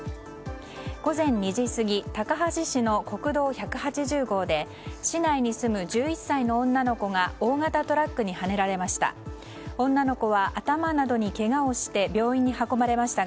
午前２時過ぎ高梁市の国道１８０号で市内に住む１１歳の女の子が大型トラックにはねられました。